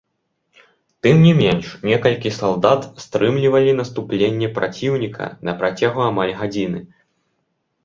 Тым не менш, некалькі салдат стрымлівалі наступленне праціўніка на працягу амаль гадзіны.